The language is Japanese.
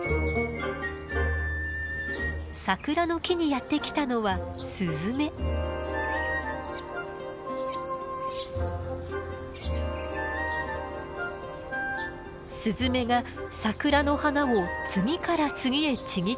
桜の木にやって来たのはスズメが桜の花を次から次へちぎっていきます。